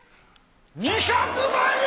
２００万円！